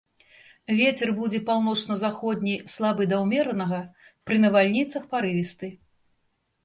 Вецер будзе паўночна-заходні слабы да ўмеранага, пры навальніцах парывісты.